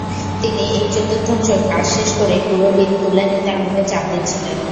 তিনি এক-চতুর্থাংশ কাজ শেষ করেই পুরো বিল তুলে নিতে আমাকে চাপ দিচ্ছিলেন।